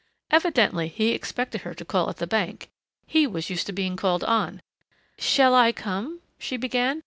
Evidently he expected her to call at the Bank.... He was used to being called on.... "Shall I come ?" she began.